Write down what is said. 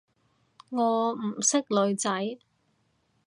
我唔識女仔